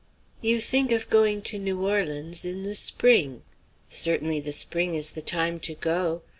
You think of going to New Orleans in the spring. Certainly, the spring is the time to go.